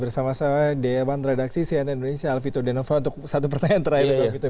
bersama sama dewan redaksi cnn indonesia alvito denovo untuk satu pertanyaan terakhir